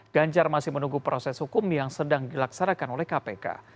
ganjar masih menunggu proses hukum yang sedang dilaksanakan oleh kpk